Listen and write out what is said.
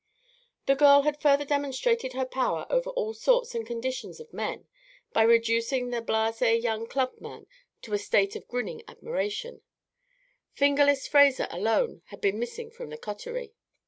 The girl had further demonstrated her power over all sorts and conditions of men by reducing the blase young club man to a state of grinning admiration, "Fingerless" Fraser alone had been missing from the coterie.